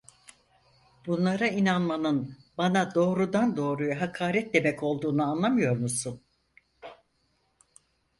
Bunlara inanmanın bana doğrudan doğruya hakaret demek olduğunu anlamıyor musun?